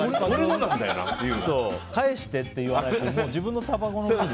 返してって言わないと自分のたばこに。